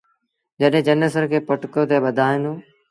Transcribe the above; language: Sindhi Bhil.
جڏهيݩ چنيسر کي پٽڪو تي ٻڌآيآندون۔